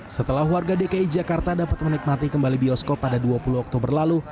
setelah warga dki jakarta dapat menikmati kembali bioskop pada dua puluh oktober lalu